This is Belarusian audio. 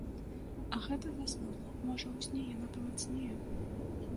А гэта заснула, можа ў сне яна памацнее.